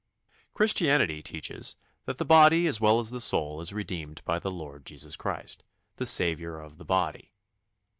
" Christianity teaches that the body as well as the soul is redeemed by the Lord Jesus Christ, "the Saviour of the body."